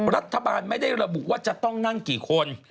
รัฐบาลไม่ได้ระบุว่าจะต้องนั่งกี่คน